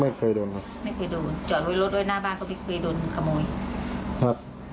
ไม่เคยดูไม่เคยดูจอดไว้รถโดยหน้าบ้านเขาบี๊กบี๊ดูนขโมย